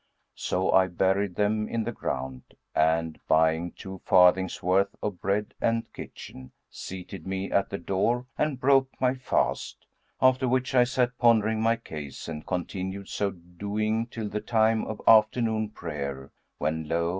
So I buried them in the ground and, buying two farthings' worth of bread and 'kitchen,'[FN#184] seated me at the door and broke my fast; after which I sat pondering my case and continued so doing till the time of afternoon, prayer, when lo!